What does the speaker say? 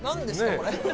これ。